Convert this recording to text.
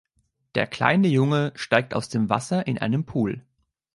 Der kleine Junge steigt aus dem Wasser in einem Pool.